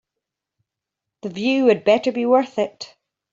The view had better be worth it.